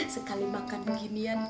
sekali makan beginian